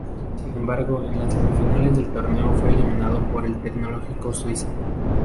Sin embargo en las semifinales del torneo fue eliminado por el Tecnológico Suiza.